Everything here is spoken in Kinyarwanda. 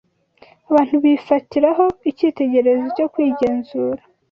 Abantu bifatiraho icyitegererezo cyo kwigenzura